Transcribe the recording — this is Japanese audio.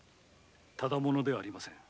ただ者ではありません。